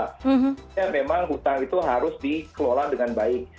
sebenarnya memang utang itu harus dikelola dengan baik